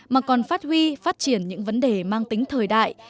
mà còn phát huy phát triển những vấn đề mang tính thời đại